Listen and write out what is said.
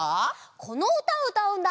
このうたをうたうんだ！